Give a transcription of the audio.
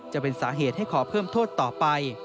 จะเป็นสาเหตุให้ขอเพิ่มโทษต่อไป